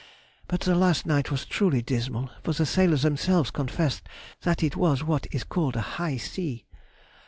But the last night was truly dismal, for the sailors themselves confessed that it was what is called a high sea.